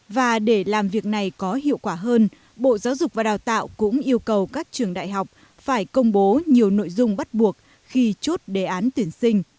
và để làm việc này có hiệu quả hơn bộ giáo dục và đào tạo cũng yêu cầu các trường đại học phải công bố nhiều nội dung bắt buộc khi chốt đề án tuyển sinh